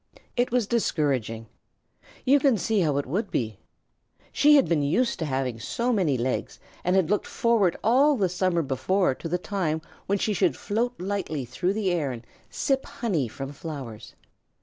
It was discouraging. You can see how it would be. She had been used to having so many legs, and had looked forward all the summer before to the time when she should float lightly through the air and sip honey from flowers.